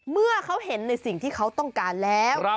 เมื่อเขาเห็นในสิ่งที่เขาต้องการแล้ว